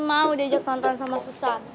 mau diajak tonton sama susan